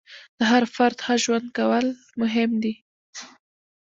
د هر فرد ښه ژوند کول مهم دي.